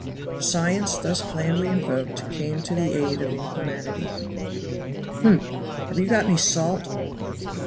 Science thus blandly invoked came to the aid of inhumanity. "Humph! have you got any salt?"